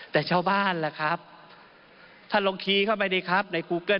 แต่ชาวบ้านล่ะครับท่านลองคีย์เข้าไปดีครับในครูเกิ้